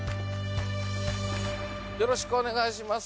よろしくお願いします。